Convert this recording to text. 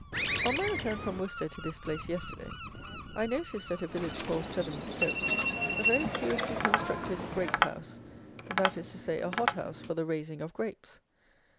On my return from Worcester to this place, yesterday, I noticed, at a village called Severn Stoke, a very curiously constructed grape house; that is to say a hot house for the raising of grapes.